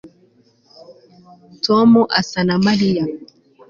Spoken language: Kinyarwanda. Tom asa na Mariya